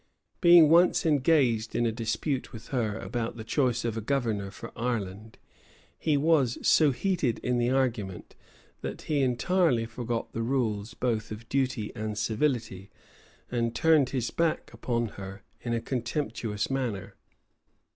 Being once engaged in a dispute with her about the choice of a governor for Ireland, he was so heated in the argument, that he entirely forgot the rules both of duty and civility, and turned his back upon her in a contemptuous manner.